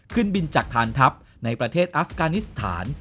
ขึ้นบินจากฐานทัพในประเทศอัฟกานิสถาน